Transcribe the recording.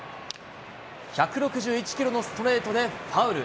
１６１キロのストレートでファウル。